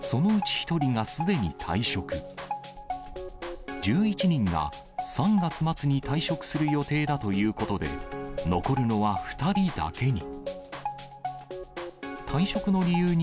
１１人が３月末に退職する予定だということで、残るのは２人だけに。